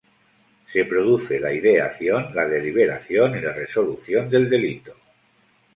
Se produce la ideación, la deliberación y la resolución del delito.